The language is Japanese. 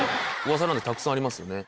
噂なんてたくさんありますよね。